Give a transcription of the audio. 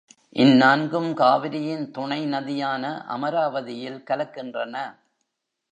இந்நான்கும் காவிரியின் துணை நதியான அமராவதியில் கலக்கின்றன.